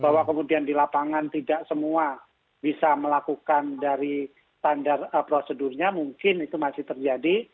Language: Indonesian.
bahwa kemudian di lapangan tidak semua bisa melakukan dari standar prosedurnya mungkin itu masih terjadi